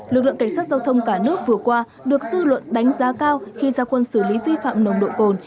lực lượng cảnh sát giao thông cả nước vừa qua được dư luận đánh giá cao khi ra quân xử lý vi phạm nồng độ cồn